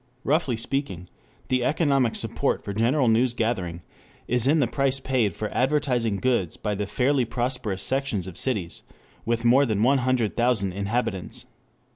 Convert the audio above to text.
Roughly speaking, the economic support for general news gathering is in the price paid for advertised goods by the fairly prosperous sections of cities with more than one hundred thousand inhabitants.